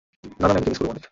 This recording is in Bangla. নানা নানিকে মিস করব অনেক।